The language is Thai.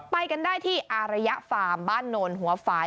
ไปกันได้ที่อารยฟาร์มบ้านโนนหัวฝ่าย